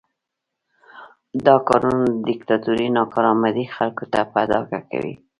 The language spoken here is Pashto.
دا کارونه د دیکتاتورۍ ناکارآمدي خلکو ته په ډاګه کوي.